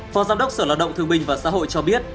phó giám đốc sở lao động thương minh và xã hội cho biết